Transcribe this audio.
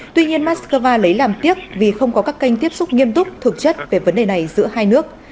tuy nhiên moscow lấy làm tiếc vì không có các kênh tiếp xúc nghiêm túc thực chất về vấn đề này giữa hai nước